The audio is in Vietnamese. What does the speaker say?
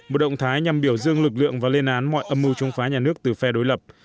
một động thái nhằm biểu dương lực lượng và lên án mọi âm mưu chống phá nhà nước từ phe đối lập